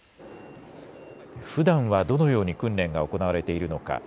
ふだんはどのように訓練が行われているのか。